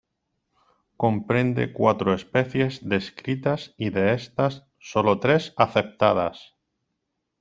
Comprende cuatro especies descritas y de estas, solo tres aceptadas.